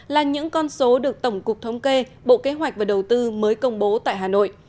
là những con số được tổng cục thống kê bộ kế hoạch và đầu tư mới công bố tại hà nội